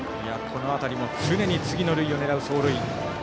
この辺りも常に次の塁を狙う走塁。